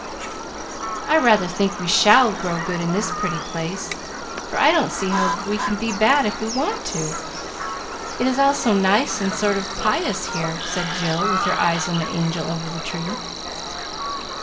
"I rather think we shall grow good in this pretty place, for I don't see how we can be bad if we want to, it is all so nice and sort of pious here," said Jill, with her eyes on the angel over the tree.